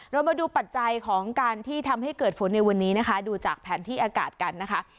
เรามาดูปัจจัยของการที่ทำให้เกิดฝนในวันนี้นะคะดูจากแผนที่อากาศกันนะคะ